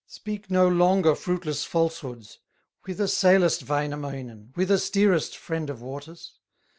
Speak no longer fruitless falsehoods, Whither sailest, Wainamoinen, Whither steerest, friend of waters?"